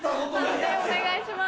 判定お願いします。